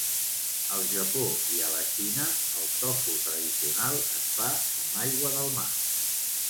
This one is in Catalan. Al Japó i a la Xina, el tofu tradicional es fa amb aigua del mar.